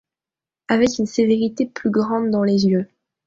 avec une sévérité plus grande dans les yeux.